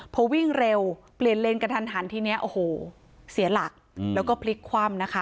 พอวิ่งเร็วเปลี่ยนเลนกระทันหันทีเนี้ยโอ้โหเสียหลักแล้วก็พลิกคว่ำนะคะ